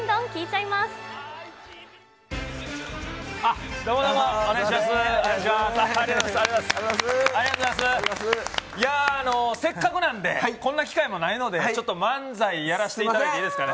いやー、せっかくなんで、こんな機会もないので、ちょっと漫才やらせていただいていいですかね。